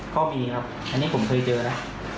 ก็มีครับอันนี้ผมเคยเจอนะ